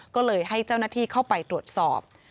ก็เลยให้เจ้าหน้าที่เข้าไปตรวจสอบ